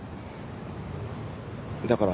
だから。